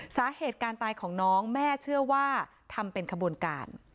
สาเหตุการตายของน้องแม่เชื่อว่าทำเป็นขบวนการ